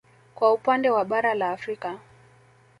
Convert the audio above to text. Kwa upande wa bara la Afrika